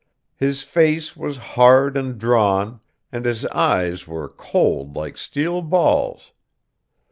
His face was hard and drawn, and his eyes were cold like steel balls.